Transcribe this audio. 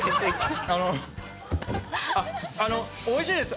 あのあっおいしいです。